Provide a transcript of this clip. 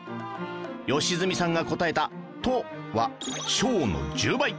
良純さんが答えた斗は升の１０倍